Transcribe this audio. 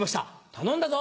頼んだぞ！